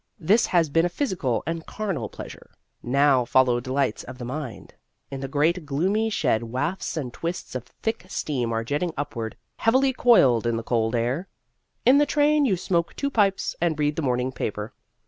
This has been a physical and carnal pleasure. Now follow delights of the mind. In the great gloomy shed wafts and twists of thick steam are jetting upward, heavily coiled in the cold air. In the train you smoke two pipes and read the morning paper.